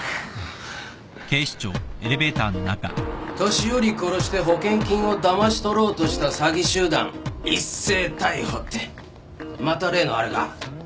年寄り殺して保険金をだまし取ろうとした詐欺集団一斉逮捕ってまた例のあれか。